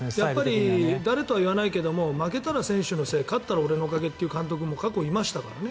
誰とは言わないけども負けたら選手のせい勝ったら俺のおかげという監督も過去にいましたからね。